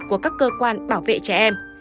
của các cơ quan bảo vệ trẻ em